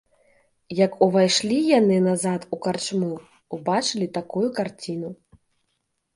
Як увайшлі яны назад у карчму, убачылі такую карціну.